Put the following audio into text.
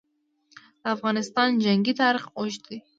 د افغانستان جنګي تاریخ اوږد دی.